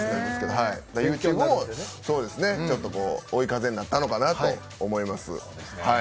ＹｏｕＴｕｂｅもちょっと追い風になったのかなと思います。